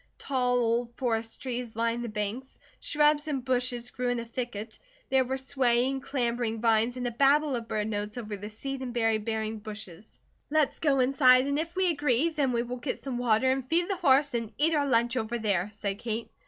Tall old forest trees lined the banks, shrubs and bushes grew in a thicket. There were swaying, clambering vines and a babel of bird notes over the seed and berry bearing bushes. "Let's go inside, and if we agree, then we will get some water and feed the horse and eat our lunch over there," said Kate.